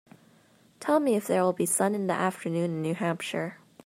Tell me if there will be sun in the afternoon in New Hampshire